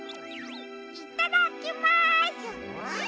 いただきます！